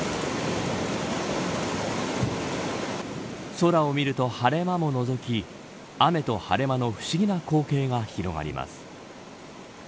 空を見ると晴れ間ものぞき雨と晴れ間の不思議な光景が広がります。